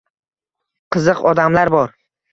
Qiziq odamlar bor: